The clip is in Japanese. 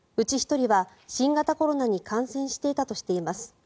１人は新型コロナに感染していたとしています。